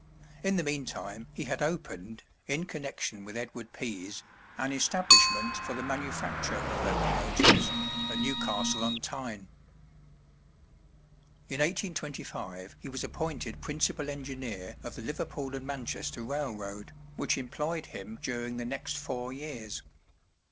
In the meantime he had opened, in connection with Edward Pease, an establishment for the manufacture of locomotives, at Newcastle on Tyne. In 1825 he was appointed principal engineer of the Liverpool & Manchester railroad, which employed him during the next four years.